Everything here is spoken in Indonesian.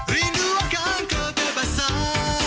rindu akan kebebasan